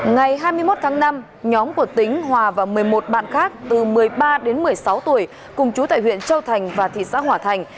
ngày hai mươi một tháng năm nhóm của tính hòa và một mươi một bạn khác từ một mươi ba đến một mươi sáu tuổi cùng chú tại huyện châu thành và thị xã hòa thành